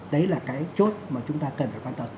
đấy là cái chốt mà chúng ta cần phải quan tâm